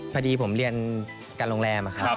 พอดีผมเรียนการโรงแรมครับ